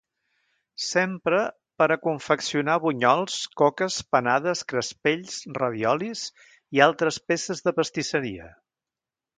S'empra per a confeccionar bunyols, coques, panades, crespells, raviolis i altres peces de pastisseria.